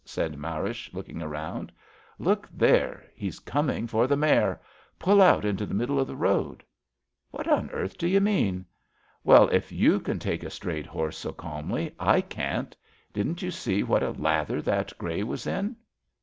'* said Marish, looking round. V* Look there I He's coming for the mare ! Pull out into the middle of the road." What on earth d'you mean! "*^ Well, if j/ou can take a strayed horse so calmly, I can't. Didn't you see what a lather that grey was in?